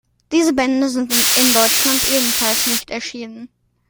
Diese Bände sind in Deutschland ebenfalls nicht erschienen.